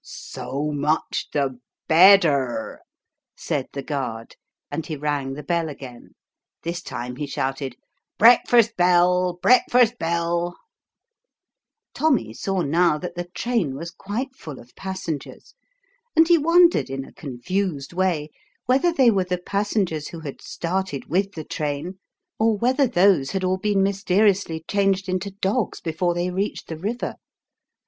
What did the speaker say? "So much the Redder," said the guard, and he rang the bell again ; this time he shouted, " Breakfast bell, breakfast bell !" Tommy saw now that the train was quite full of passengers, and he wondered in a confused way whether they were the passengers who had started with the train, or whether those had all been mys teriously changed into dogs before they reached the An excellent substitute for breakfast. river.